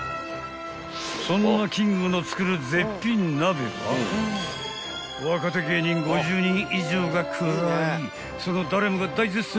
［そんなキングの作る絶品鍋は若手芸人５０人以上が食らいその誰もが大絶賛］